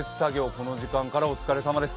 この時間からお疲れさまです。